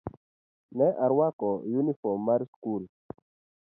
Ne arwako yunifom mar skul.